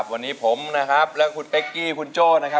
วันนี้ผมนะครับและคุณเป๊กกี้คุณโจ้นะครับ